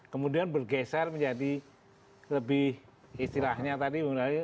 kemudian bergeser menjadi lebih istilahnya tadi